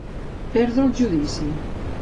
Perdre el judici.